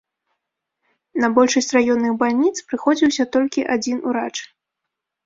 На большасць раённых бальніц прыходзіўся толькі адзін урач.